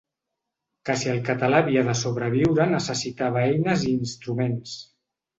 Que si el català havia de sobreviure necessitava eines i instruments.